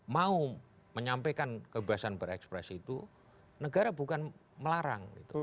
mau menyampaikan kebebasan berekspresi itu negara bukan melarang